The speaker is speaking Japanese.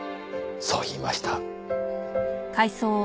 そう言いました。